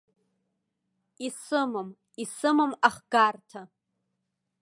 Исымам, исымам ахгарҭа.